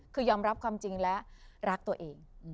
คือยอมรับความจริงและรักตัวเอง